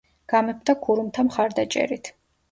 გამეფდა ქურუმთა მხარდაჭერით.